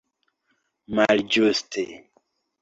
malĝuste